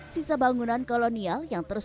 sisa bangunan kolonial yang terus